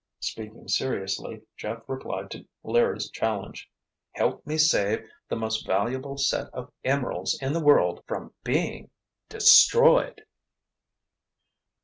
Speaking seriously, Jeff replied to Larry's challenge. "Help me save the most valuable set of emeralds in the world from being—destroyed!"